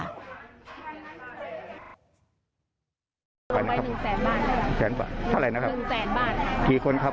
ลงไป๑๐๐๐๐๐บ้านค่ะสัก๑๐๐๐บ้านค่ะคนเดียวค่ะได้คืนสักทีไหมครับ